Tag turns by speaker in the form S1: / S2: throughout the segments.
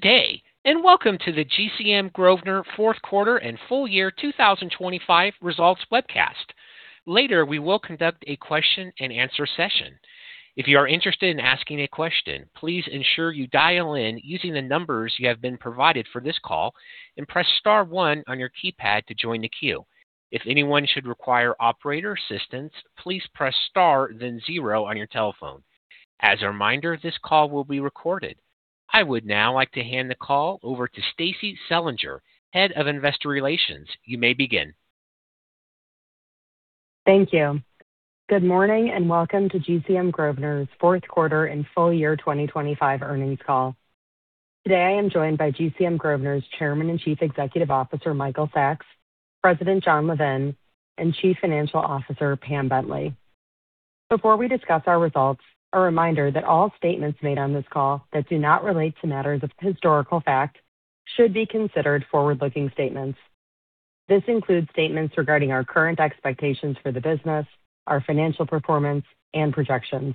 S1: Good day and welcome to the GCM Grosvenor Fourt Quarter and Full Year 2025 Results webcast. Later we will conduct a question and answer session. If you are interested in asking a question, please ensure you dial in using the numbers you have been provided for this call and press star one on your keypad to join the queue. If anyone should require operator assistance, please press star then zero on your telephone. As a reminder, this call will be recorded. I would now like to hand the call over to Stacie Selinger, Head of Investor Relations. You may begin.
S2: Thank you. Good morning and welcome to GCM Grosvenor's Fourth Quarter and Full Year 2025 earnings call. Today I am joined by GCM Grosvenor's Chairman and Chief Executive Officer Michael Sacks, President Jon Levin, and Chief Financial Officer Pam Bentley. Before we discuss our results, a reminder that all statements made on this call that do not relate to matters of historical fact should be considered forward-looking statements. This includes statements regarding our current expectations for the business, our financial performance, and projections.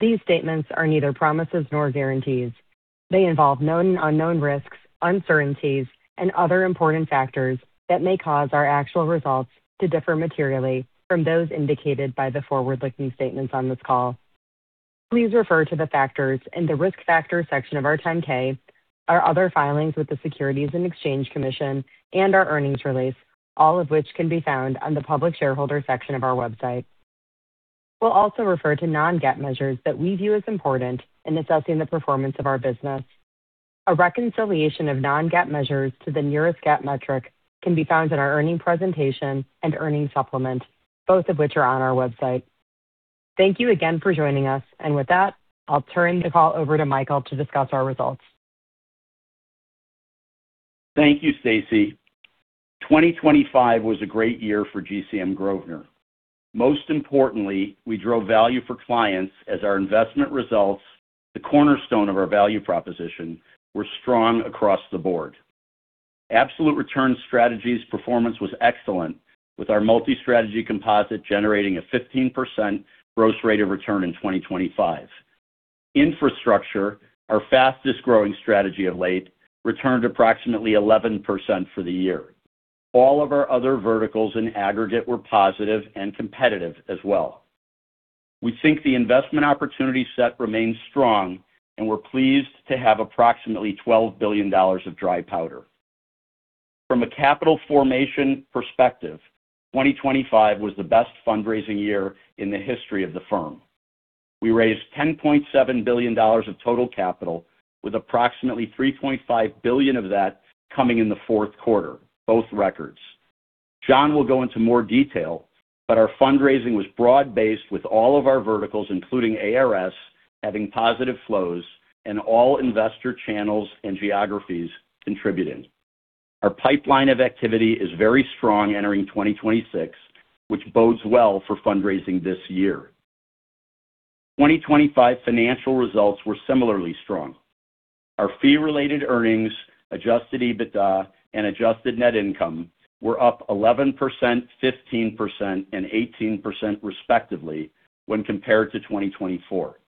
S2: These statements are neither promises nor guarantees. They involve known and unknown risks, uncertainties, and other important factors that may cause our actual results to differ materially from those indicated by the forward-looking statements on this call. Please refer to the factors in the risk factor section of our 10-K, our other filings with the Securities and Exchange Commission, and our earnings release, all of which can be found on the public shareholder section of our website. We'll also refer to non-GAAP measures that we view as important in assessing the performance of our business. A reconciliation of non-GAAP measures to the nearest GAAP metric can be found in our earnings presentation and earnings supplement, both of which are on our website. Thank you again for joining us, and with that, I'll turn the call over to Michael to discuss our results.
S3: Thank you, Stacie. 2025 was a great year for GCM Grosvenor. Most importantly, we drove value for clients as our investment results, the cornerstone of our value proposition, were strong across the board. Absolute Return Strategies performance was excellent, with our Multi-Strategy Composite generating a 15% gross rate of return in 2025. Infrastructure, our fastest growing strategy of late, returned approximately 11% for the year. All of our other verticals in aggregate were positive and competitive as well. We think the investment opportunity set remains strong, and we're pleased to have approximately $12 billion of dry powder. From a capital formation perspective, 2025 was the best fundraising year in the history of the firm. We raised $10.7 billion of total capital, with approximately $3.5 billion of that coming in the fourth quarter, both records. Jon will go into more detail, but our fundraising was broad-based with all of our verticals, including ARS, having positive flows and all investor channels and geographies contributing. Our pipeline of activity is very strong entering 2026, which bodes well for fundraising this year. 2025 financial results were similarly strong. Our Fee-Related Earnings, Adjusted EBITDA, and Adjusted Net Income were up 11%, 15%, and 18% respectively when compared to 2024.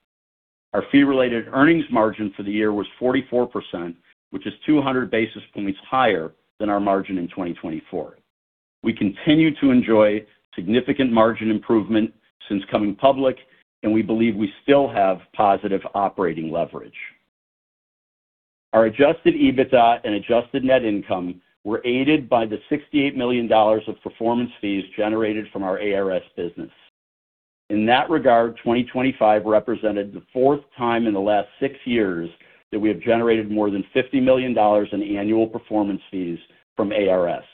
S3: Our Fee-Related Earnings margin for the year was 44%, which is 200 basis points higher than our margin in 2024. We continue to enjoy significant margin improvement since coming public, and we believe we still have positive operating leverage. Our Adjusted EBITDA and Adjusted Net Income were aided by the $68 million of performance fees generated from our ARS business. In that regard, 2025 represented the fourth time in the last six years that we have generated more than $50 million in annual performance fees from ARS.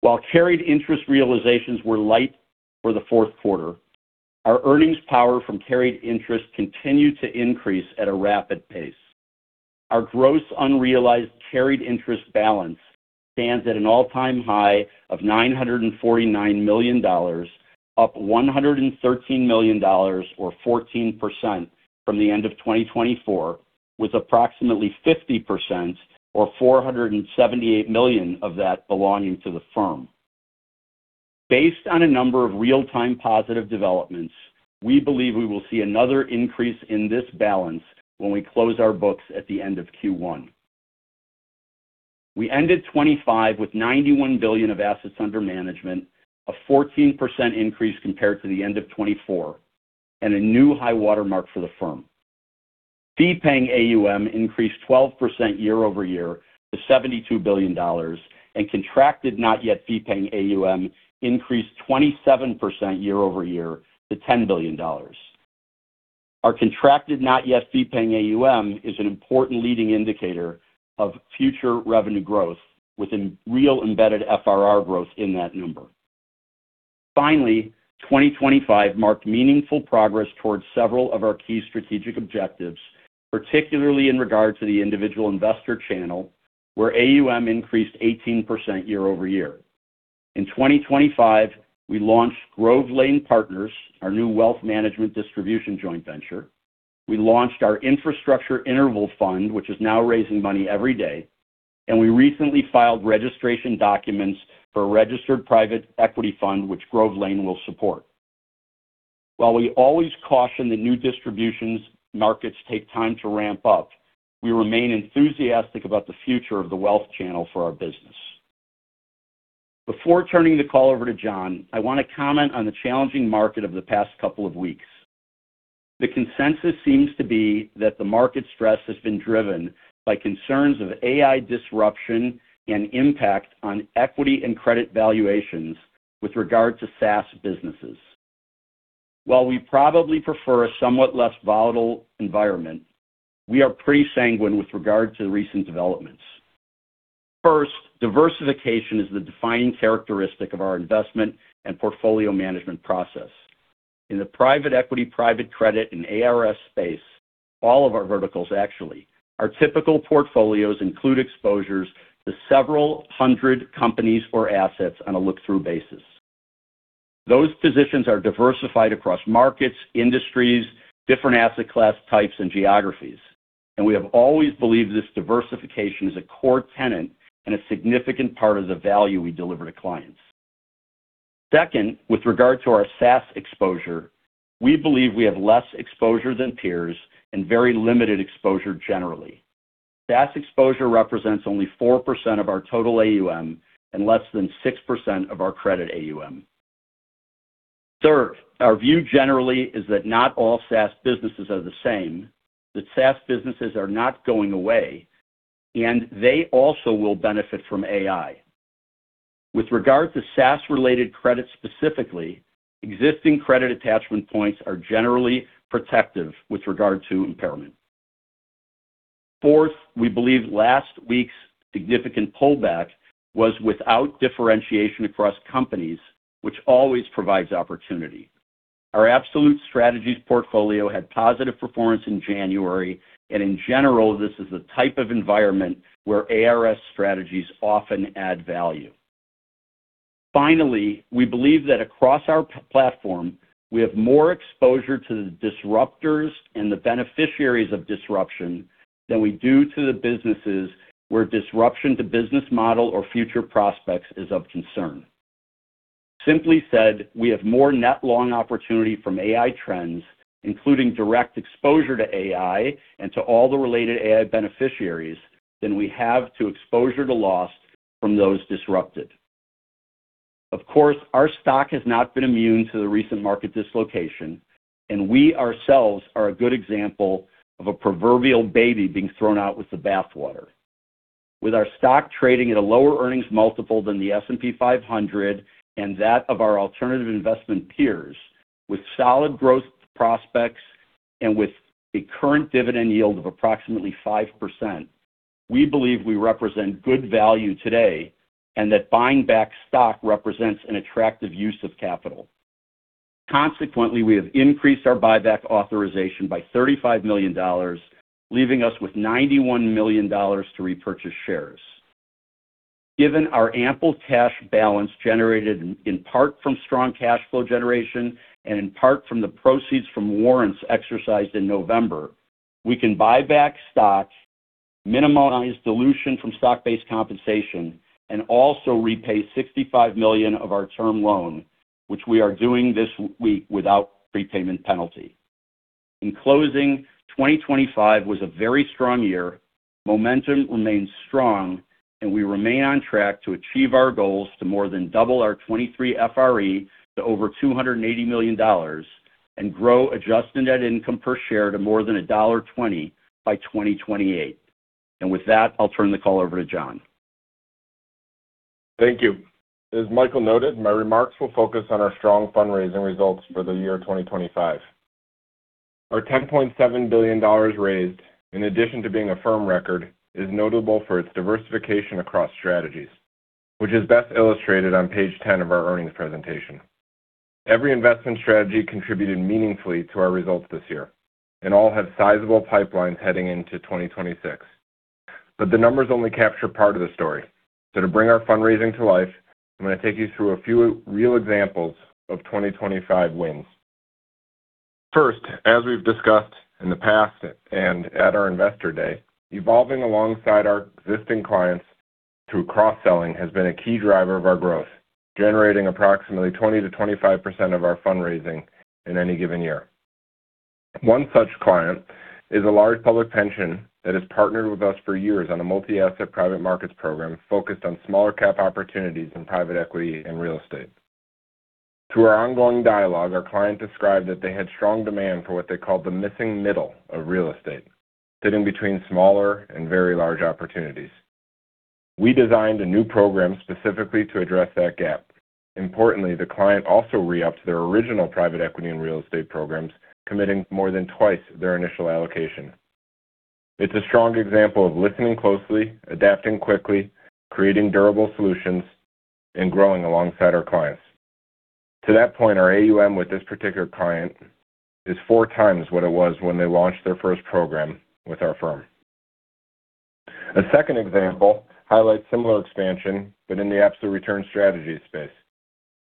S3: While carried interest realizations were light for the fourth quarter, our earnings power from carried interest continued to increase at a rapid pace. Our gross unrealized carried interest balance stands at an all-time high of $949 million, up $113 million or 14% from the end of 2024, with approximately 50% or $478 million of that belonging to the firm. Based on a number of real-time positive developments, we believe we will see another increase in this balance when we close our books at the end of Q1. We ended 2025 with $91 billion of assets under management, a 14% increase compared to the end of 2024, and a new high watermark for the firm. Fee-Paying AUM increased 12% year-over-year to $72 billion, and Contracted Not Yet Fee-Paying AUM increased 27% year-over-year to $10 billion. Our Contracted Not Yet Fee-Paying AUM is an important leading indicator of future revenue growth, with real embedded FRR growth in that number. Finally, 2025 marked meaningful progress towards several of our key strategic objectives, particularly in regard to the individual investor channel, where AUM increased 18% year-over-year. In 2025, we launched Grove Lane Partners, our new wealth management distribution joint venture. We launched our infrastructure interval fund, which is now raising money every day, and we recently filed registration documents for a registered private equity fund, which Grove Lane will support. While we always caution that new distribution markets take time to ramp up, we remain enthusiastic about the future of the wealth channel for our business. Before turning the call over to Jon, I want to comment on the challenging market of the past couple of weeks. The consensus seems to be that the market stress has been driven by concerns of AI disruption and impact on equity and credit valuations with regard to SaaS businesses. While we probably prefer a somewhat less volatile environment, we are pretty sanguine with regard to the recent developments. First, diversification is the defining characteristic of our investment and portfolio management process. In the private equity, private credit, and ARS space, all of our verticals, actually, our typical portfolios include exposures to several hundred companies or assets on a look-through basis. Those positions are diversified across markets, industries, different asset class types, and geographies, and we have always believed this diversification is a core tenet and a significant part of the value we deliver to clients. Second, with regard to our SaaS exposure, we believe we have less exposure than peers and very limited exposure generally. SaaS exposure represents only 4% of our total AUM and less than 6% of our credit AUM. Third, our view generally is that not all SaaS businesses are the same, that SaaS businesses are not going away, and they also will benefit from AI. With regard to SaaS-related credit specifically, existing credit attachment points are generally protective with regard to impairment. Fourth, we believe last week's significant pullback was without differentiation across companies, which always provides opportunity. Our absolute strategies portfolio had positive performance in January, and in general, this is the type of environment where ARS strategies often add value. Finally, we believe that across our platform, we have more exposure to the disruptors and the beneficiaries of disruption than we do to the businesses where disruption to business model or future prospects is of concern. Simply said, we have more net long opportunity from AI trends, including direct exposure to AI and to all the related AI beneficiaries, than we have to exposure to loss from those disrupted. Of course, our stock has not been immune to the recent market dislocation, and we ourselves are a good example of a proverbial baby being thrown out with the bathwater. With our stock trading at a lower earnings multiple than the S&P 500 and that of our alternative investment peers, with solid growth prospects and with a current dividend yield of approximately 5%, we believe we represent good value today and that buying back stock represents an attractive use of capital. Consequently, we have increased our buyback authorization by $35 million, leaving us with $91 million to repurchase shares. Given our ample cash balance generated in part from strong cash flow generation and in part from the proceeds from warrants exercised in November, we can buy back stock, minimize dilution from stock-based compensation, and also repay $65 million of our term loan, which we are doing this week without prepayment penalty. In closing, 2025 was a very strong year. Momentum remains strong, and we remain on track to achieve our goals to more than double our 2023 FRE to over $280 million and grow adjusted net income per share to more than $1.20 by 2028. And with that, I'll turn the call over to Jon.
S4: Thank you. As Michael noted, my remarks will focus on our strong fundraising results for the year 2025. Our $10.7 billion raised, in addition to being a firm record, is notable for its diversification across strategies, which is best illustrated on page 10 of our earnings presentation. Every investment strategy contributed meaningfully to our results this year, and all have sizable pipelines heading into 2026. But the numbers only capture part of the story. So to bring our fundraising to life, I'm going to take you through a few real examples of 2025 wins. First, as we've discussed in the past and at our investor day, evolving alongside our existing clients through cross-selling has been a key driver of our growth, generating approximately 20%-25% of our fundraising in any given year. One such client is a large public pension that has partnered with us for years on a multi-asset private markets program focused on smaller-cap opportunities in private equity and real estate. Through our ongoing dialogue, our client described that they had strong demand for what they called the missing middle of real estate, sitting between smaller and very large opportunities. We designed a new program specifically to address that gap. Importantly, the client also re-upped their original private equity and real estate programs, committing more than twice their initial allocation. It's a strong example of listening closely, adapting quickly, creating durable solutions, and growing alongside our clients. To that point, our AUM with this particular client is four times what it was when they launched their first program with our firm. A second example highlights similar expansion, but in the absolute returns strategy space.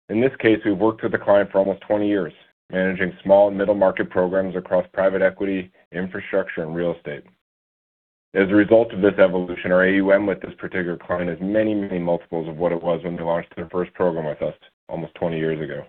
S4: In this case, we've worked with the client for almost 20 years, managing small and middle market programs across private equity, infrastructure, and real estate. As a result of this evolution, our AUM with this particular client is many, many multiples of what it was when they launched their first program with us almost 20 years ago.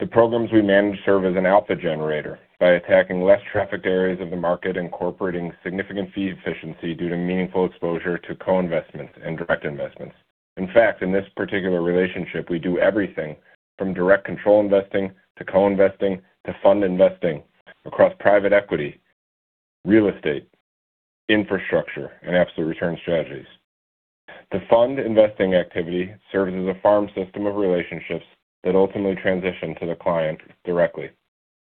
S4: The programs we manage serve as an alpha generator by attacking less trafficked areas of the market, incorporating significant fee efficiency due to meaningful exposure to co-investments and direct investments. In fact, in this particular relationship, we do everything from direct control investing to co-investing to fund investing across private equity, real estate, infrastructure, and absolute returns strategies. The fund investing activity serves as a farm system of relationships that ultimately transition to the client directly.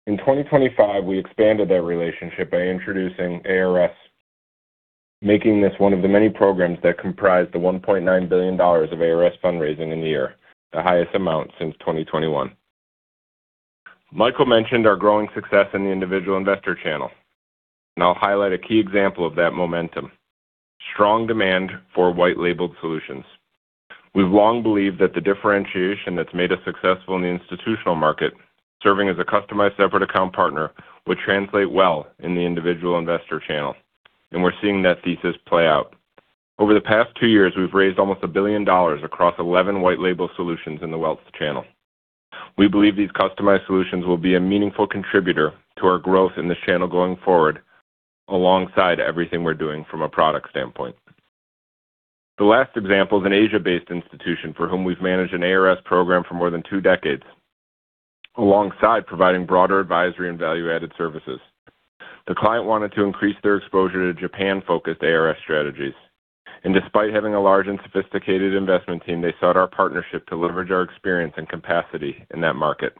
S4: In 2025, we expanded that relationship by introducing ARS, making this one of the many programs that comprised the $1.9 billion of ARS fundraising in the year, the highest amount since 2021. Michael mentioned our growing success in the individual investor channel, and I'll highlight a key example of that momentum: strong demand for white-labeled solutions. We've long believed that the differentiation that's made us successful in the institutional market, serving as a customized separate account partner, would translate well in the individual investor channel, and we're seeing that thesis play out. Over the past two years, we've raised almost $1 billion across 11 white-label solutions in the wealth channel. We believe these customized solutions will be a meaningful contributor to our growth in this channel going forward, alongside everything we're doing from a product standpoint. The last example is an Asia-based institution for whom we've managed an ARS program for more than two decades, alongside providing broader advisory and value-added services. The client wanted to increase their exposure to Japan-focused ARS strategies, and despite having a large and sophisticated investment team, they sought our partnership to leverage our experience and capacity in that market.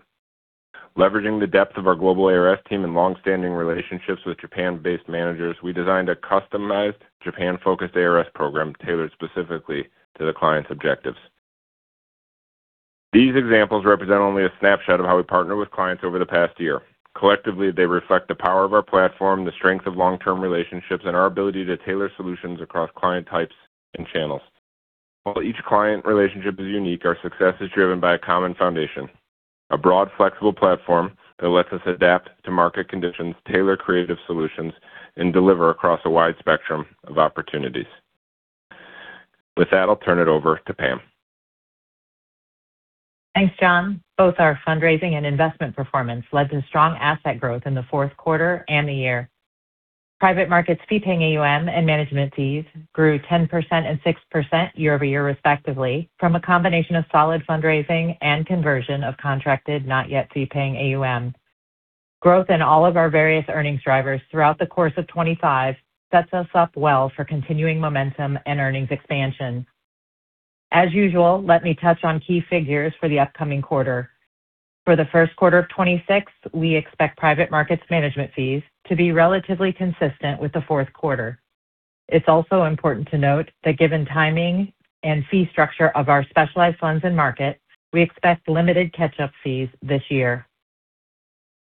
S4: Leveraging the depth of our global ARS team and longstanding relationships with Japan-based managers, we designed a customized Japan-focused ARS program tailored specifically to the client's objectives. These examples represent only a snapshot of how we partner with clients over the past year. Collectively, they reflect the power of our platform, the strength of long-term relationships, and our ability to tailor solutions across client types and channels. While each client relationship is unique, our success is driven by a common foundation: a broad, flexible platform that lets us adapt to market conditions, tailor creative solutions, and deliver across a wide spectrum of opportunities. With that, I'll turn it over to Pam.
S5: Thanks, Jon. Both our fundraising and investment performance led to strong asset growth in the fourth quarter and the year. Private markets fee-paying AUM and management fees grew 10% and 6% year-over-year, respectively, from a combination of solid fundraising and conversion of contracted not yet fee-paying AUM. Growth in all of our various earnings drivers throughout the course of 2025 sets us up well for continuing momentum and earnings expansion. As usual, let me touch on key figures for the upcoming quarter. For the first quarter of 2026, we expect private markets management fees to be relatively consistent with the fourth quarter. It's also important to note that given timing and fee structure of our specialized funds and market, we expect limited catch-up fees this year.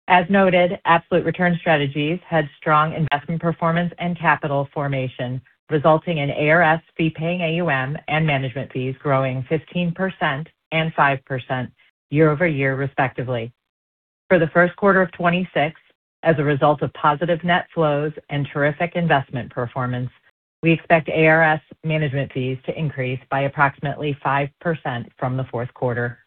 S5: As noted, absolute return strategies had strong investment performance and capital formation, resulting in ARS fee-paying AUM and management fees growing 15% and 5% year-over-year, respectively. For the first quarter of 2026, as a result of positive net flows and terrific investment performance, we expect ARS management fees to increase by approximately 5% from the fourth quarter.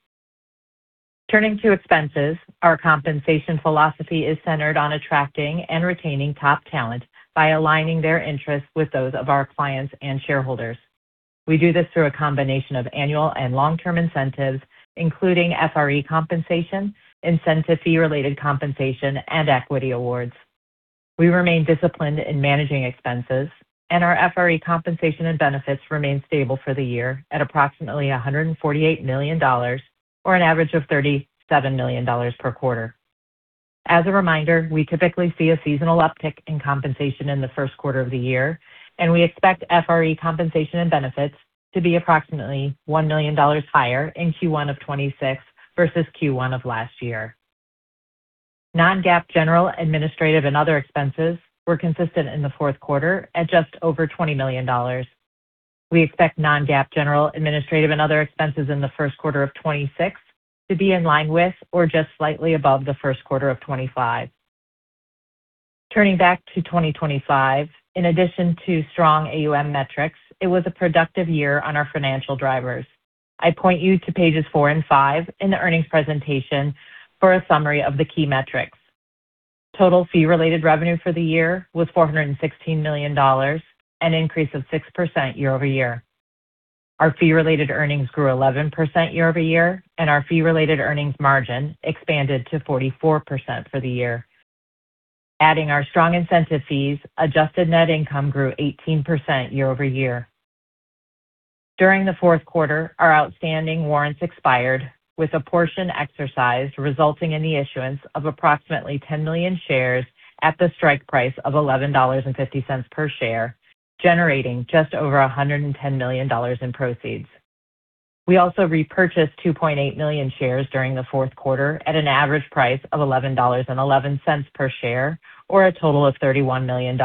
S5: Turning to expenses, our compensation philosophy is centered on attracting and retaining top talent by aligning their interests with those of our clients and shareholders. We do this through a combination of annual and long-term incentives, including FRE compensation, incentive-fee-related compensation, and equity awards. We remain disciplined in managing expenses, and our FRE compensation and benefits remain stable for the year at approximately $148 million, or an average of $37 million per quarter. As a reminder, we typically see a seasonal uptick in compensation in the first quarter of the year, and we expect FRE compensation and benefits to be approximately $1 million higher in Q1 of 2026 versus Q1 of last year. Non-GAAP general administrative and other expenses were consistent in the fourth quarter at just over $20 million. We expect non-GAAP general administrative and other expenses in the first quarter of 2026 to be in line with or just slightly above the first quarter of 2025. Turning back to 2025, in addition to strong AUM metrics, it was a productive year on our financial drivers. I point you to pages 4 and 5 in the earnings presentation for a summary of the key metrics. Total fee-related revenue for the year was $416 million, an increase of 6% year-over-year. Our Fee-Related Earnings grew 11% year-over-year, and our Fee-Related Earnings margin expanded to 44% for the year. Adding our strong incentive fees, Adjusted Net Income grew 18% year-over-year. During the fourth quarter, our outstanding warrants expired, with a portion exercised resulting in the issuance of approximately 10 million shares at the strike price of $11.50 per share, generating just over $110 million in proceeds. We also repurchased 2.8 million shares during the fourth quarter at an average price of $11.11 per share, or a total of $31 million.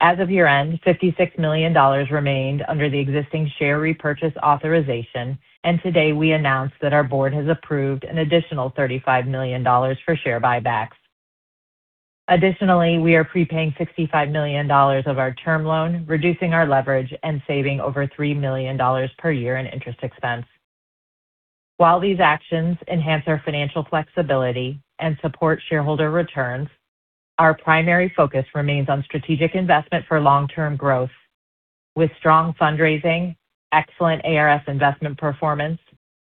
S5: As of year-end, $56 million remained under the existing share repurchase authorization, and today we announce that our board has approved an additional $35 million for share buybacks. Additionally, we are prepaying $65 million of our term loan, reducing our leverage, and saving over $3 million per year in interest expense. While these actions enhance our financial flexibility and support shareholder returns, our primary focus remains on strategic investment for long-term growth. With strong fundraising, excellent ARS investment performance,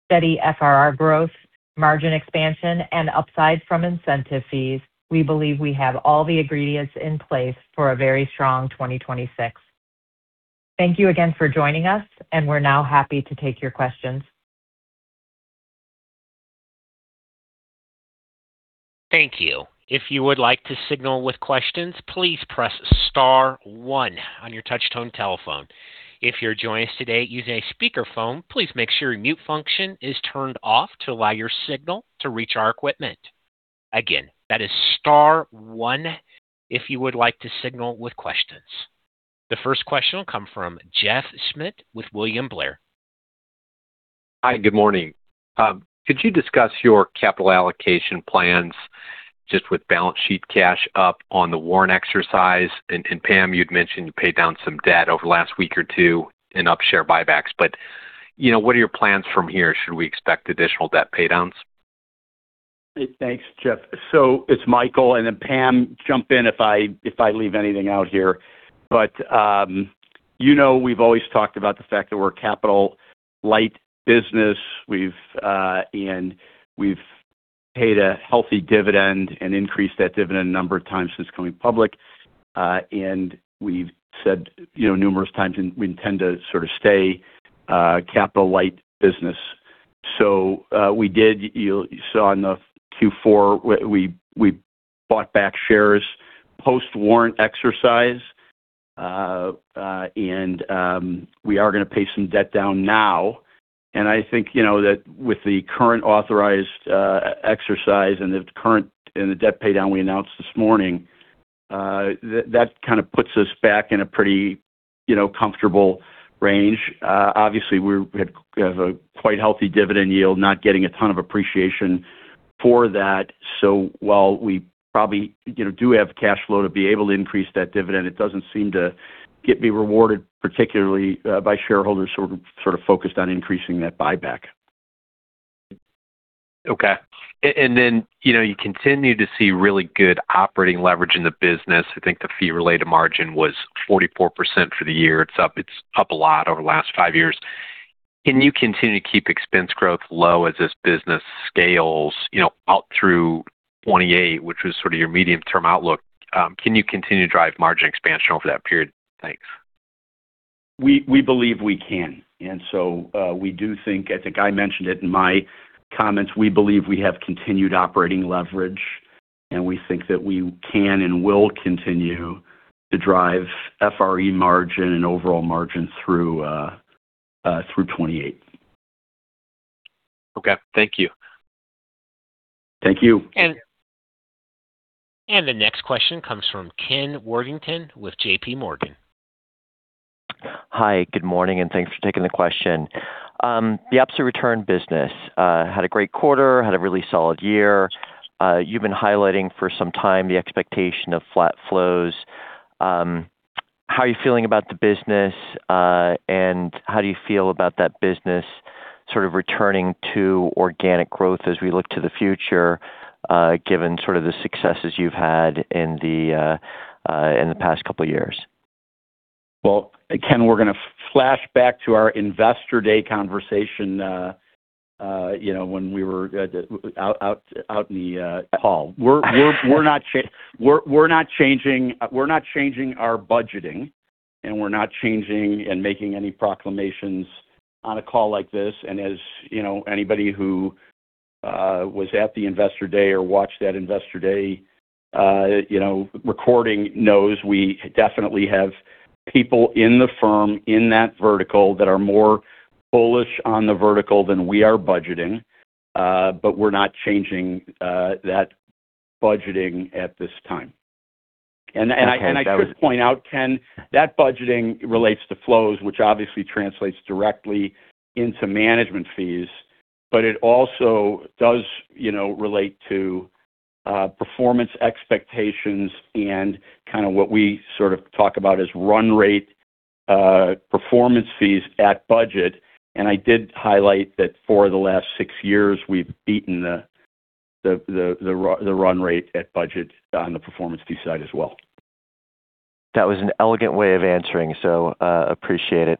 S5: steady FRR growth, margin expansion, and upside from incentive fees, we believe we have all the ingredients in place for a very strong 2026. Thank you again for joining us, and we're now happy to take your questions.
S1: Thank you. If you would like to signal with questions, please press star 1 on your touch-tone telephone. If you're joining us today using a speakerphone, please make sure your mute function is turned off to allow your signal to reach our equipment. Again, that is star 1 if you would like to signal with questions. The first question will come from Jeff Smith with William Blair.
S6: Hi, good morning. Could you discuss your capital allocation plans just with balance sheet cash up on the warrant exercise? And Pam, you'd mentioned you paid down some debt over the last week or two and share buybacks, but what are your plans from here? Should we expect additional debt paydowns?
S3: Hey, thanks, Jeff. So it's Michael, and then Pam, jump in if I leave anything out here. But we've always talked about the fact that we're a capital-light business, and we've paid a healthy dividend and increased that dividend a number of times since coming public. And we've said numerous times we intend to sort of stay a capital-light business. So we did. You saw in the Q4, we bought back shares post-warrant exercise, and we are going to pay some debt down now. And I think that with the current authorized exercise and the debt paydown we announced this morning, that kind of puts us back in a pretty comfortable range. Obviously, we have a quite healthy dividend yield, not getting a ton of appreciation for that. While we probably do have cash flow to be able to increase that dividend, it doesn't seem to get me rewarded, particularly by shareholders who are sort of focused on increasing that buyback.
S6: Okay. And then you continue to see really good operating leverage in the business. I think the fee-related margin was 44% for the year. It's up a lot over the last five years. Can you continue to keep expense growth low as this business scales out through 2028, which was sort of your medium-term outlook? Can you continue to drive margin expansion over that period? Thanks.
S3: We believe we can. And so we do think I think I mentioned it in my comments. We believe we have continued operating leverage, and we think that we can and will continue to drive FRE margin and overall margin through 2028.
S6: Okay. Thank you.
S3: Thank you.
S1: The next question comes from Ken Worthington with J.P. Morgan.
S7: Hi. Good morning, and thanks for taking the question. The absolute return business had a great quarter, had a really solid year. You've been highlighting for some time the expectation of flat flows. How are you feeling about the business, and how do you feel about that business sort of returning to organic growth as we look to the future, given sort of the successes you've had in the past couple of years?
S3: Well, Ken, we're going to flash back to our Investor Day conversation when we were out in the call. We're not changing our budgeting, and we're not changing and making any proclamations on a call like this. And as anybody who was at the Investor Day or watched that Investor Day recording knows, we definitely have people in the firm in that vertical that are more bullish on the vertical than we are budgeting, but we're not changing that budgeting at this time. And I should point out, Ken, that budgeting relates to flows, which obviously translates directly into management fees, but it also does relate to performance expectations and kind of what we sort of talk about as run rate performance fees at budget. And I did highlight that for the last six years, we've beaten the run rate at budget on the performance fee side as well.
S7: That was an elegant way of answering, so appreciate it.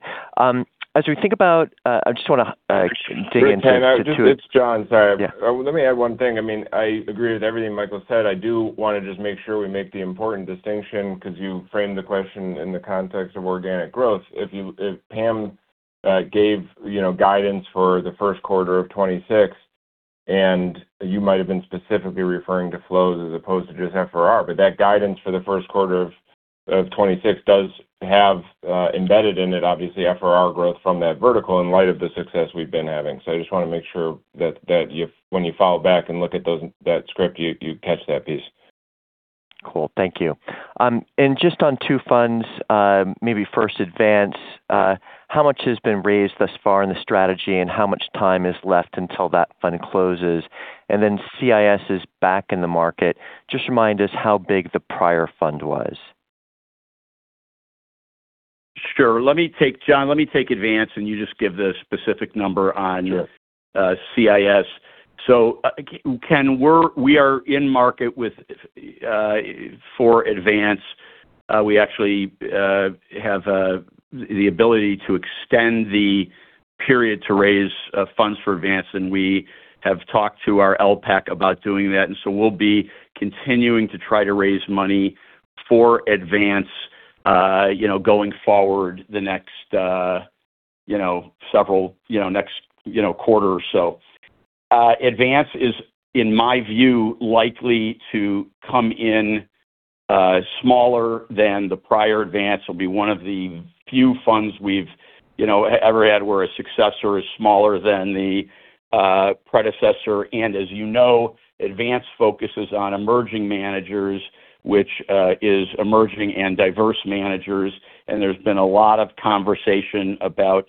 S7: As we think about I just want to dig into two.
S4: It's Jon. Sorry. Let me add one thing. I mean, I agree with everything Michael said. I do want to just make sure we make the important distinction because you framed the question in the context of organic growth. If Pam gave guidance for the first quarter of 2026, and you might have been specifically referring to flows as opposed to just FRR, but that guidance for the first quarter of 2026 does have embedded in it, obviously, FRR growth from that vertical in light of the success we've been having. So I just want to make sure that when you follow back and look at that script, you catch that piece.
S7: Cool. Thank you. And just on two funds, maybe first Advance. How much has been raised thus far in the strategy, and how much time is left until that fund closes? And then CIS is back in the market. Just remind us how big the prior fund was.
S3: Sure. Jon, let me take Advance, and you just give the specific number on CIS. So Ken, we are in market for Advance. We actually have the ability to extend the period to raise funds for Advance, and we have talked to our LPAC about doing that. And so we'll be continuing to try to raise money for Advance going forward the next several next quarter or so. Advance is, in my view, likely to come in smaller than the prior Advance. It'll be one of the few funds we've ever had where a successor is smaller than the predecessor. And as you know, Advance focuses on emerging managers, which is emerging and diverse managers. And there's been a lot of conversation about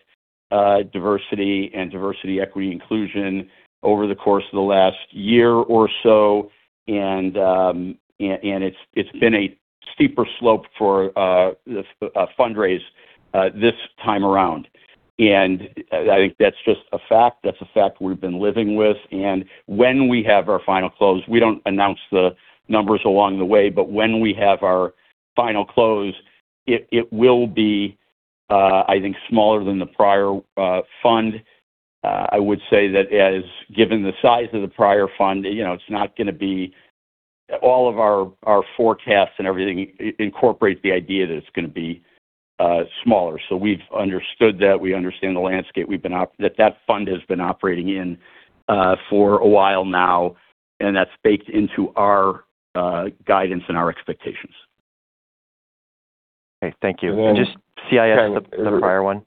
S3: diversity and diversity equity inclusion over the course of the last year or so, and it's been a steeper slope for fundraise this time around. I think that's just a fact. That's a fact we've been living with. When we have our final close we don't announce the numbers along the way, but when we have our final close, it will be, I think, smaller than the prior fund. I would say that given the size of the prior fund, it's not going to be all of our forecasts and everything incorporate the idea that it's going to be smaller. We've understood that. We understand the landscape that that fund has been operating in for a while now, and that's baked into our guidance and our expectations.
S7: Okay. Thank you. And just CIS, the prior one.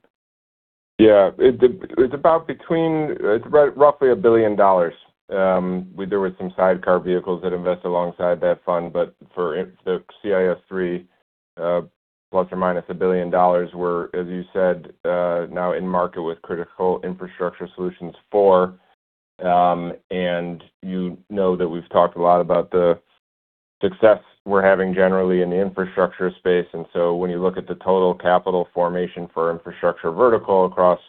S4: Yeah. It's about roughly $1 billion. There were some sidecar vehicles that invest alongside that fund, but for the CIS III, plus or minus $1 billion. We're, as you said, now in market with CIS IV. And you know that we've talked a lot about the success we're having generally in the infrastructure space. So when you look at the total capital formation for infrastructure vertical across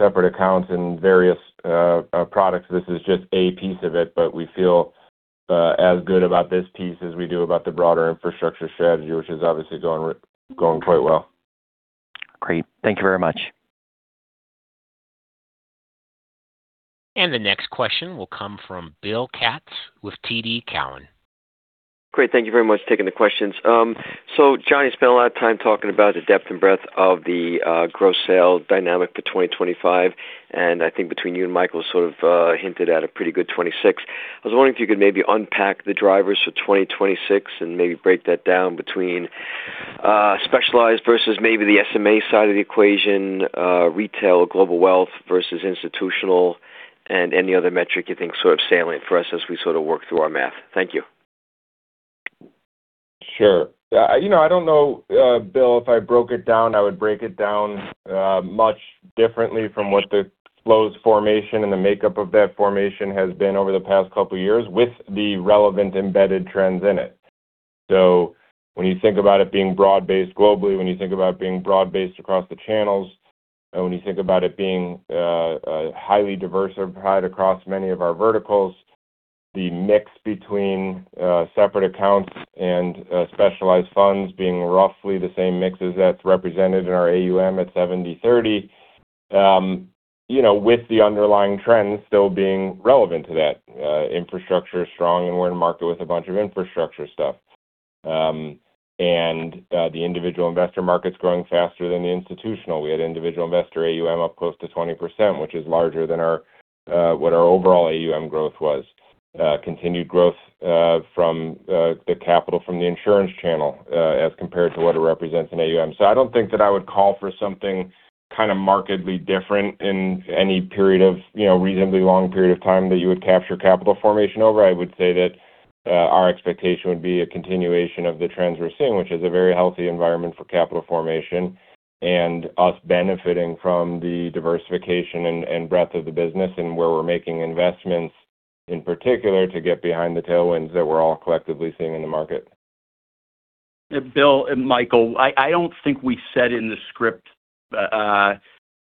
S4: separate accounts and various products, this is just a piece of it, but we feel as good about this piece as we do about the broader infrastructure strategy, which is obviously going quite well.
S7: Great. Thank you very much.
S1: The next question will come from Bill Katz with TD Cowen.
S8: Great. Thank you very much for taking the questions. So John, you spent a lot of time talking about the depth and breadth of the gross sale dynamic for 2025, and I think between you and Michael sort of hinted at a pretty good 2026. I was wondering if you could maybe unpack the drivers for 2026 and maybe break that down between specialized versus maybe the SMA side of the equation, retail, global wealth versus institutional, and any other metric you think sort of salient for us as we sort of work through our math. Thank you.
S4: Sure. I don't know, Bill, if I broke it down, I would break it down much differently from what the flows formation and the makeup of that formation has been over the past couple of years with the relevant embedded trends in it. So when you think about it being broad-based globally, when you think about it being broad-based across the channels, and when you think about it being highly diversified across many of our verticals, the mix between separate accounts and specialized funds being roughly the same mix as that's represented in our AUM at 70/30 with the underlying trends still being relevant to that, infrastructure strong, and we're in market with a bunch of infrastructure stuff. The individual investor market's growing faster than the institutional. We had individual investor AUM up close to 20%, which is larger than what our overall AUM growth was, continued growth from the capital from the insurance channel as compared to what it represents in AUM. So I don't think that I would call for something kind of markedly different in any reasonably long period of time that you would capture capital formation over. I would say that our expectation would be a continuation of the trends we're seeing, which is a very healthy environment for capital formation and us benefiting from the diversification and breadth of the business and where we're making investments in particular to get behind the tailwinds that we're all collectively seeing in the market.
S3: Bill and Michael, I don't think we said in the script,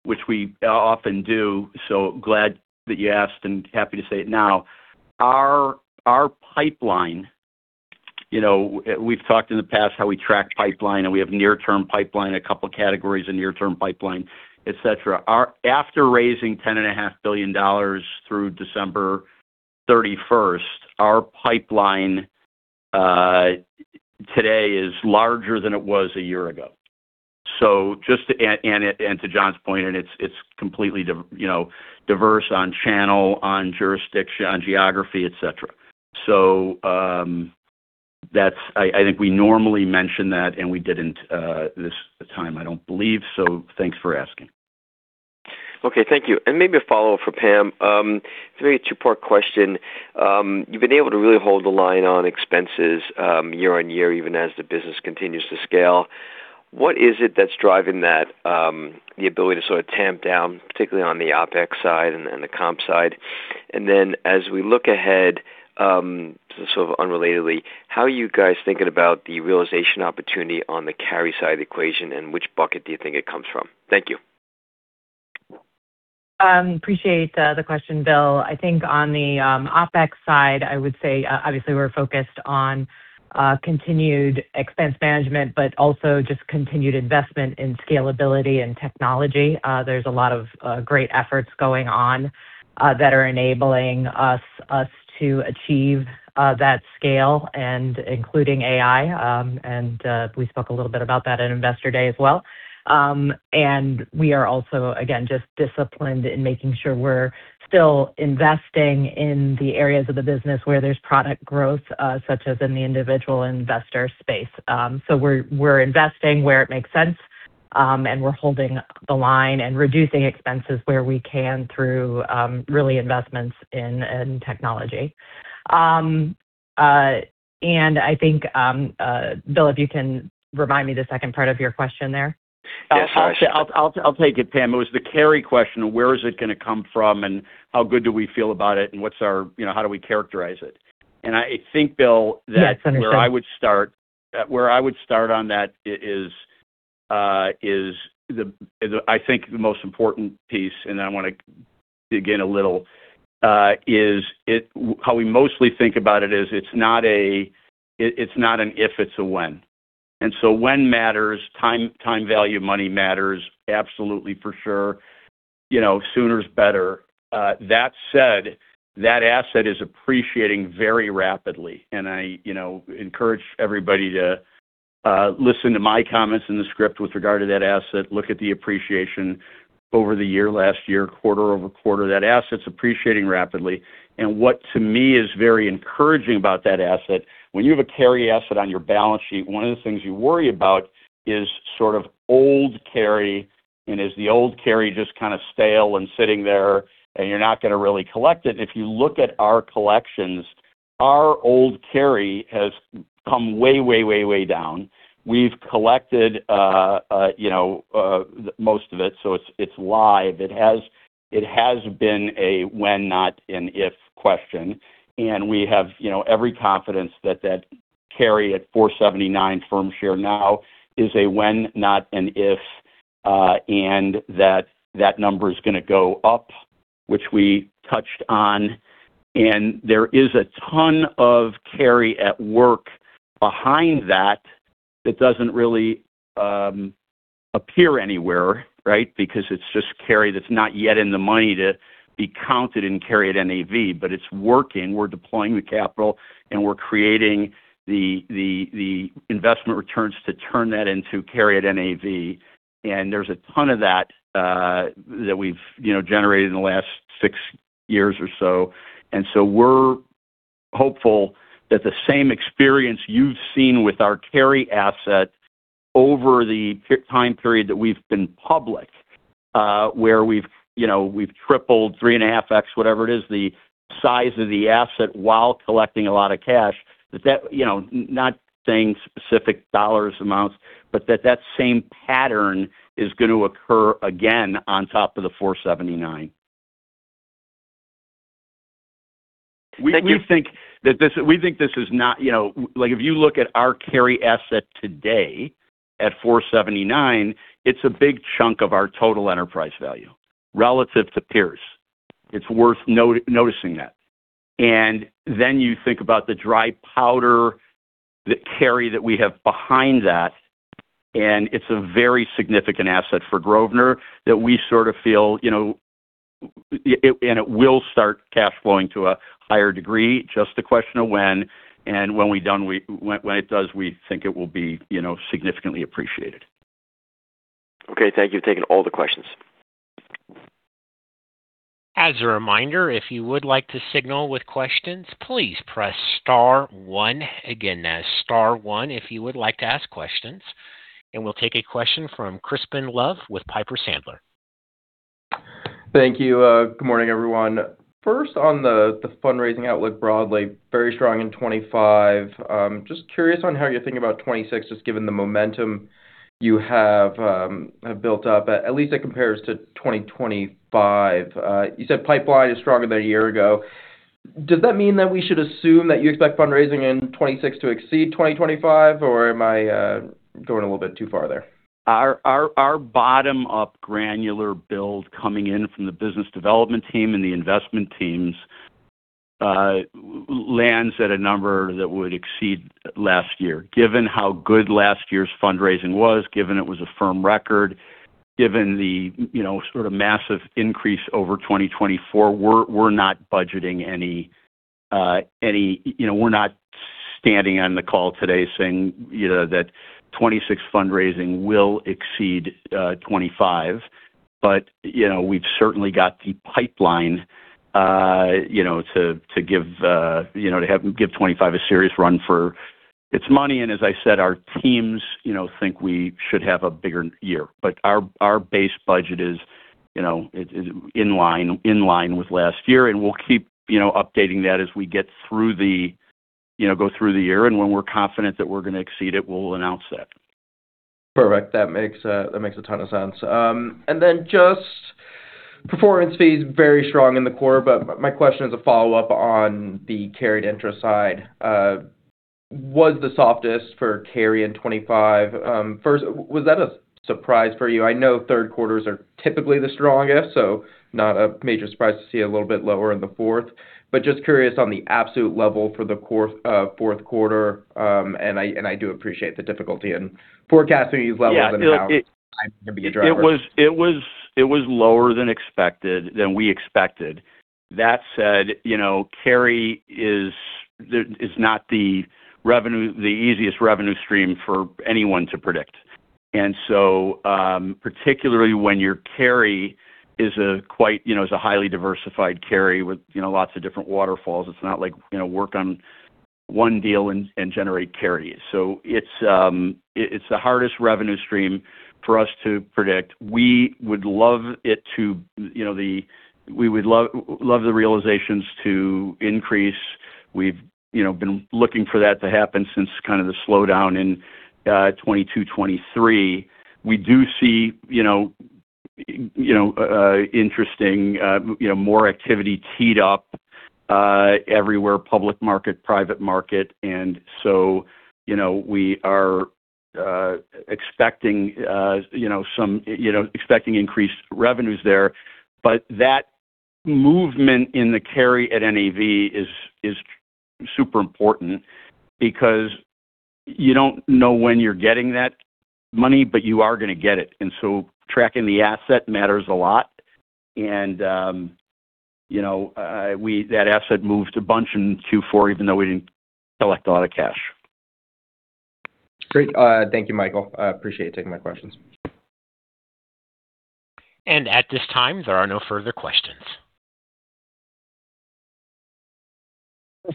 S3: which we often do, so glad that you asked and happy to say it now, our pipeline we've talked in the past how we track pipeline, and we have near-term pipeline, a couple of categories of near-term pipeline, etc. After raising $10.5 billion through December 31st, our pipeline today is larger than it was a year ago. And to John's point, it's completely diverse on channel, on jurisdiction, on geography, etc. So I think we normally mention that, and we didn't this time, I don't believe. So thanks for asking.
S8: Okay. Thank you. And maybe a follow-up for Pam. It's a very two-part question. You've been able to really hold the line on expenses year-over-year, even as the business continues to scale. What is it that's driving the ability to sort of tamp down, particularly on the OpEx side and the comp side? And then as we look ahead, sort of unrelatedly, how are you guys thinking about the realization opportunity on the carry side of the equation, and which bucket do you think it comes from? Thank you.
S2: Appreciate the question, Bill. I think on the OpEx side, I would say obviously, we're focused on continued expense management, but also just continued investment in scalability and technology. There's a lot of great efforts going on that are enabling us to achieve that scale, including AI. And we spoke a little bit about that at Investor Day as well. And we are also, again, just disciplined in making sure we're still investing in the areas of the business where there's product growth, such as in the individual investor space. So we're investing where it makes sense, and we're holding the line and reducing expenses where we can through really investments in technology. And I think, Bill, if you can remind me the second part of your question there.
S8: Yes. I'll take it, Pam. It was the carry question of where is it going to come from, and how good do we feel about it, and how do we characterize it. And I think, Bill, that where I would start on that is I think the most important piece, and then I want to dig in a little, is how we mostly think about it is it's not an if. It's a when. And so when matters, time value, money matters, absolutely for sure. Sooner's better. That said, that asset is appreciating very rapidly, and I encourage everybody to listen to my comments in the script with regard to that asset, look at the appreciation over the year, last year, quarter-over-quarter. That asset's appreciating rapidly. What, to me, is very encouraging about that asset, when you have a carry asset on your balance sheet, one of the things you worry about is sort of old carry. Is the old carry just kind of stale and sitting there, and you're not going to really collect it? If you look at our collections, our old carry has come way, way, way, way down. We've collected most of it, so it's live. It has been a when, not, and if question. We have every confidence that that carry at 479 firm share now is a when, not, and if, and that number is going to go up, which we touched on. There is a ton of carry at work behind that that doesn't really appear anywhere, right, because it's just carry that's not yet in the money to be counted in carry at NAV, but it's working. We're deploying the capital, and we're creating the investment returns to turn that into carry at NAV. There's a ton of that that we've generated in the last six years or so. So we're hopeful that the same experience you've seen with our carry asset over the time period that we've been public, where we've tripled, 3.5x, whatever it is, the size of the asset while collecting a lot of cash, that that same pattern is going to occur again on top of the $479. We think that this is notable if you look at our carry asset today at $479, it's a big chunk of our total enterprise value relative to peers. It's worth noticing that. Then you think about the Dry Powder, the carry that we have behind that, and it's a very significant asset for GCM Grosvenor that we sort of feel and it will start cash flowing to a higher degree, just a question of when. And when we're done, when it does, we think it will be significantly appreciated. Okay. Thank you for taking all the questions.
S1: As a reminder, if you would like to signal with questions, please press star one. Again, star one if you would like to ask questions. We'll take a question from Crispin Love with Piper Sandler.
S9: Thank you. Good morning, everyone. First, on the fundraising outlook broadly, very strong in 2025. Just curious on how you're thinking about 2026, just given the momentum you have built up, at least it compares to 2025. You said pipeline is stronger than a year ago. Does that mean that we should assume that you expect fundraising in 2026 to exceed 2025, or am I going a little bit too far there?
S3: Our bottom-up granular build coming in from the business development team and the investment teams lands at a number that would exceed last year. Given how good last year's fundraising was, given it was a firm record, given the sort of massive increase over 2024, we're not budgeting. We're not standing on the call today saying that 2026 fundraising will exceed 2025. But we've certainly got the pipeline to give 2025 a serious run for its money. And as I said, our teams think we should have a bigger year. But our base budget is in line with last year, and we'll keep updating that as we go through the year. And when we're confident that we're going to exceed it, we'll announce that.
S9: Perfect. That makes a ton of sense. And then just performance fees, very strong in the quarter, but my question is a follow-up on the carried interest side. Was the softest for carry in 2025? First, was that a surprise for you? I know third quarters are typically the strongest, so not a major surprise to see a little bit lower in the fourth. But just curious on the absolute level for the fourth quarter, and I do appreciate the difficulty in forecasting these levels and how time can be a driver.
S3: It was lower than expected, than we expected. That said, carry is not the easiest revenue stream for anyone to predict. And so particularly when your carry is—it's a highly diversified carry with lots of different waterfalls. It's not like work on one deal and generate carries. So it's the hardest revenue stream for us to predict. We would love the realizations to increase. We've been looking for that to happen since kind of the slowdown in 2022, 2023. We do see interesting more activity teed up everywhere, public market, private market. And so we are expecting increased revenues there. But that movement in the carry at NAV is super important because you don't know when you're getting that money, but you are going to get it. And so tracking the asset matters a lot. That asset moved a bunch in Q4, even though we didn't collect a lot of cash.
S9: Great. Thank you, Michael. I appreciate you taking my questions.
S1: At this time, there are no further questions.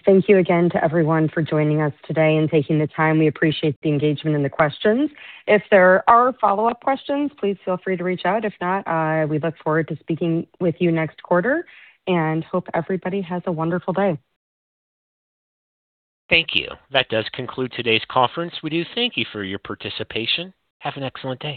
S2: Thank you again to everyone for joining us today and taking the time. We appreciate the engagement and the questions. If there are follow-up questions, please feel free to reach out. If not, we look forward to speaking with you next quarter and hope everybody has a wonderful day.
S1: Thank you. That does conclude today's conference. We do thank you for your participation. Have an excellent day.